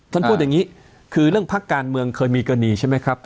พูดอย่างนี้คือเรื่องพักการเมืองเคยมีกรณีใช่ไหมครับ